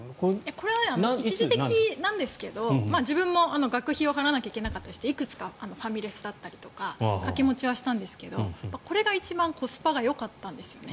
これは一時的なんですけど自分も学費を払わないといなかったしいくつかファミレスだったり掛け持ちはしたんですがこれが一番コスパがよかったんですね。